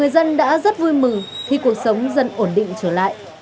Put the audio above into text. dân đã rất vui mừng khi cuộc sống dần ổn định trở lại